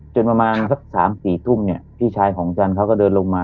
จนประมาณสัก๓๔ทุ่มเนี่ยพี่ชายของจันทร์เขาก็เดินลงมา